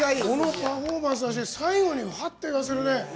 このパフォーマンスは最後にはっとさせるね。